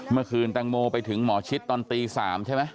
เมื่อคืนแตงโมไปถึงหมอชิดตอนตี๓ใช่ไหม